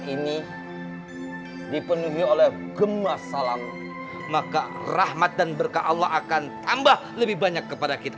ini dipenuhi oleh gemas salam maka rahmat dan berkah allah akan tambah lebih banyak kepada kita